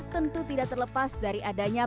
tentu tidak terlepas dari adanya